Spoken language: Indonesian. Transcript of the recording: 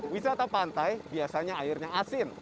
wisata pantai biasanya airnya asin